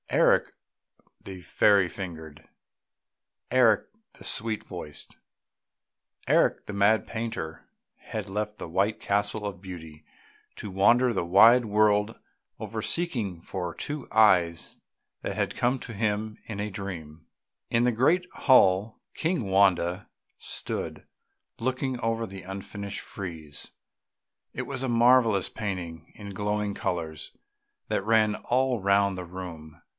Eric the fairy fingered, ... Eric the sweet voiced, ... Eric the mad painter, had left the white castle of beauty, to wander the wide world over seeking for two eyes that had come to him in a dream. In the great hall King Wanda stood, looking on the unfinished frieze; it was a marvellous painting in glowing colours that ran all round the room.